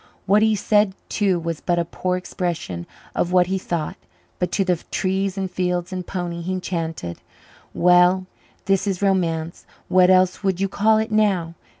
What he said too was but a poor expression of what he thought, but to the trees and fields and pony he chanted, "Well, this is romance. What else would you call it now?